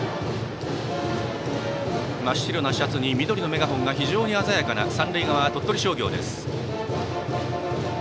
真っ白なシャツに緑のメガホンが非常に鮮やかな三塁側、鳥取商業です。